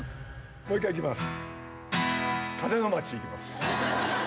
もう一回いきます